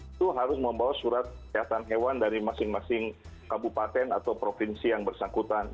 itu harus membawa surat kesehatan hewan dari masing masing kabupaten atau provinsi yang bersangkutan